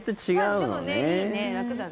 でもね、いいね、楽だね。